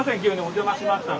お邪魔しました。